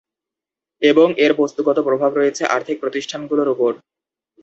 এবং এর বস্তুগত প্রভাব রয়েছে আর্থিক প্রতিষ্ঠানগুলোর উপর।